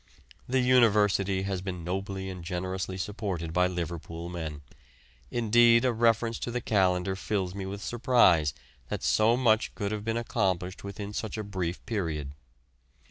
The University has been nobly and generously supported by Liverpool men; indeed a reference to the calendar fills me with surprise that so much could have been accomplished within such a brief period.